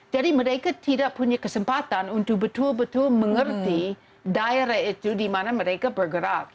jadi mereka tidak punya kesempatan untuk betul betul mengerti daerah itu dimana mereka bergerak